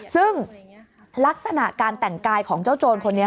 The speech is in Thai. ซึ่งลักษณะการแต่งกายของเจ้าโจรคนนี้